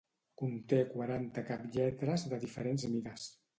Conté quaranta caplletres de diferents mides.